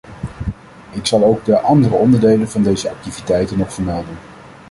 Ik zal ook de andere onderdelen van deze activiteiten nog vermelden.